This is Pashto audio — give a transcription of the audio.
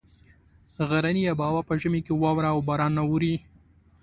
غرني آب هوا په ژمي کې واوره او باران اوري.